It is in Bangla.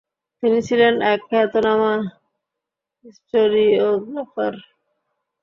তিনি ছিলেন এক খ্যাতনামা হিস্টোরিওগ্রাফার।